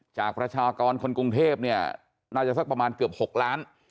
ประชากรคนกรุงเทพเนี่ยน่าจะสักประมาณเกือบ๖ล้าน